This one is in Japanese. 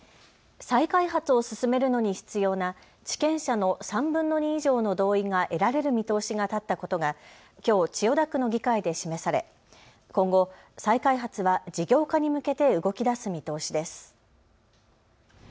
再開発を進めるのに必要な地権者の３分の２以上の同意が得られる見通しが立ったことがきょう千代田区の議会で示され今後、再開発は事業化に向けて動きだす見通しです。